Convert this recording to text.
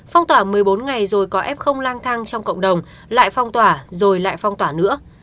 phong tỏa một mươi bốn ngày rồi có f không lang thang trong cộng đồng lại phong tỏa rồi lại phong tỏa nữa